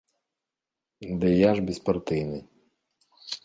Ды я ж беспартыйны.